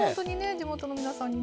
地元の皆さんにね。